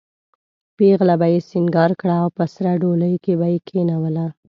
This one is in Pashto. پېغله به یې سینګاره کړه او په سره ډولۍ کې به یې کېنوله.